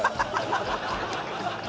ハハハハ！